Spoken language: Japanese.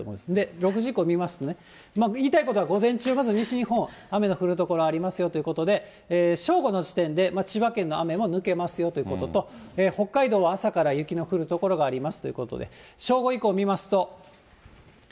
６時以降見ますとね、言いたいことは午前中、西日本、雨の降る所ありますよということで、正午の時点で、千葉県の雨も抜けますよということと、北海道は朝から雪の降る所がありますということで、正午以降見ますと。